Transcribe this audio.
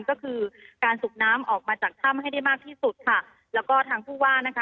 ก็คือการสูบน้ำออกมาจากถ้ำให้ได้มากที่สุดค่ะแล้วก็ทางผู้ว่านะคะ